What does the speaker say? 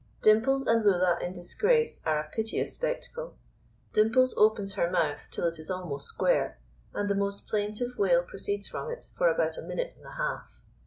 Dimples and Lulla in disgrace are a piteous spectacle. Dimples opens her mouth till it is almost square, and the most plaintive wail proceeds from it for about a minute and a half.